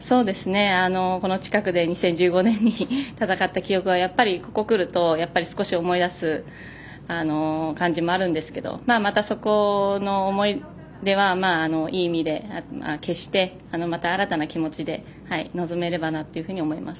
この近くで２０１５年に戦った記憶はここに来ると少し思い出す感じもあるんですけどまたそこの思い出はいい意味で消してまた新たな気持ちで臨めればなと思います。